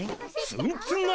ツンツン頭！